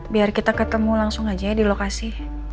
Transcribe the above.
biar kita ketemu langsung aja ya di lokasi